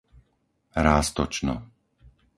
Ráztočno